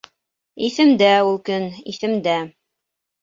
Иҫемдә ул көн, иҫемдә...